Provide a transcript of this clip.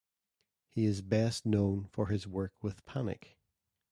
He is best known for his work with Panic!